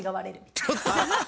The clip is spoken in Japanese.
ちょっと！